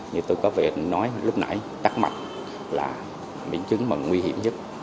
như tôi có vẻ nói lúc nãy tắc mạch là biến chứng nguy hiểm